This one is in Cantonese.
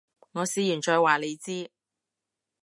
我試完再話你知